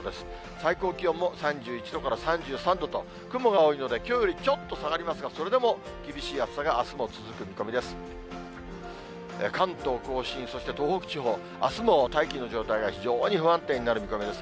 最高気温も３１度から３３度と、雲が多いので、きょうよりちょっと下がりますが、それでも厳しい暑さがあすも続く見込みです。